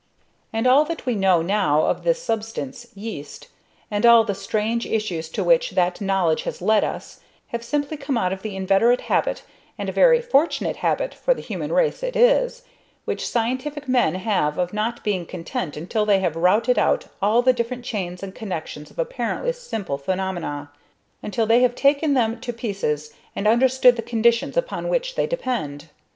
And all that we know now of this substance, yeast, and all the very strange issues to which that knowledge has led us, have simply come out of the inveterate habit, and a very fortunate habit for the human race it is, which scientific men have of not being content until they have routed out all the different chains and connections of apparently simple phenomena, until they have taken them to pieces and understood the conditions upon which they depend.